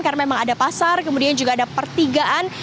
karena memang ada pasar kemudian juga ada pertigaan